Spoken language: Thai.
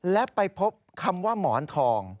และไปพบคำว่าหมอนทอง